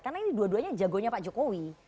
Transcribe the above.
karena ini dua duanya jagonya pak jokowi